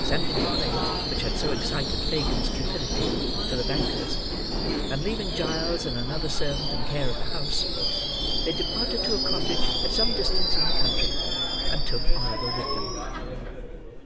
Sending the plate, which had so excited Fagin's cupidity, to the banker's; and leaving Giles and another servant in care of the house, they departed to a cottage at some distance in the country, and took Oliver with them.